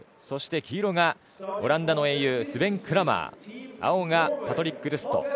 そして黄色がオランダの英雄スベン・クラマー青がパトリック・ルスト。